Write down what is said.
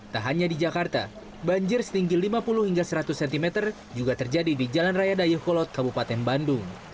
tak hanya di jakarta banjir setinggi lima puluh hingga seratus cm juga terjadi di jalan raya dayuh kolot kabupaten bandung